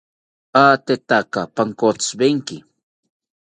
Atetaka pankotziwenki